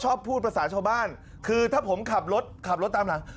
พูดภาษาชาวบ้านคือถ้าผมขับรถขับรถตามหลัง